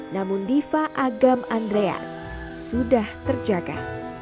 namun giva agam andrea sudah terjaga